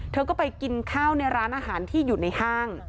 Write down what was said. เธอก็ไปกินข้าวในร้านอาหารที่อยู่ในห้าง